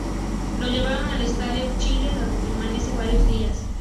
Lo llevan al Estadio Chile, donde permanece varios días.